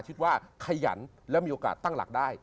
คิดว่าขยันและมีโอกาสตั้งหลักได้